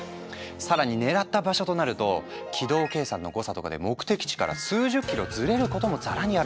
更に狙った場所となると軌道計算の誤差とかで目的地から数十キロずれることもざらにあるんだ。